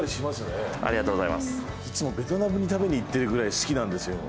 いつもベトナムに食べに行ってるぐらい好きなんですよ。